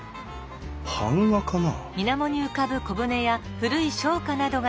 版画かな？